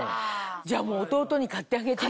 じゃあ弟に買ってあげて。